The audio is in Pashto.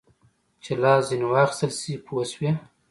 چې لاس ځینې واخیستل شي پوه شوې!.